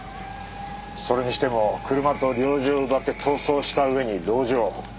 それにしても車と猟銃を奪って逃走した上に籠城。